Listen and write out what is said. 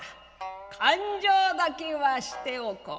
勘定だけはしておこう。